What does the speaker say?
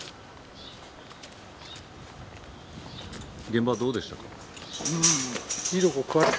現場どうでしたか？